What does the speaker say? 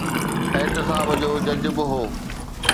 احتساب جو جج به هو.